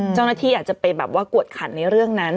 เจ้าหน้าที่อาจจะไปแบบว่ากวดขันในเรื่องนั้น